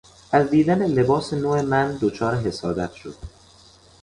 از دیدن لباس نو من دچار حسادت شد.